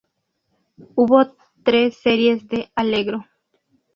Hubo tres series del Allegro.